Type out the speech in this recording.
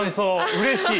うれしい。